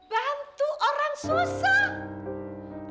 bantu orang susah